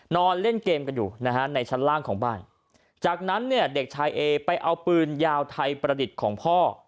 นอนเล่นเกมกันอยู่นะฮะในชั้นล่างของบ้านจากนั้นเนี่ยเด็กชายเอไปเอาปืนยาวไทยประดิษฐ์ของพ่อ